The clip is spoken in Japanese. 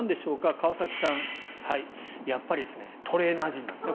川崎さん、やっぱりトレーナー陣ですね。